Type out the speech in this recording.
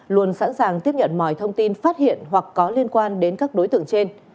luôn sẵn sàng tiếp nhận mọi thông tin phát hiện hoặc có liên quan đến các đối tượng trên